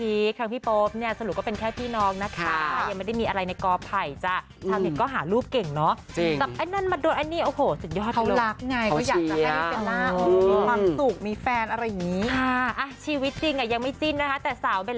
อีกไม่นานเกินรออ๋อเจ้าจ๋ารอจิ๊บได้เลยจ้ะ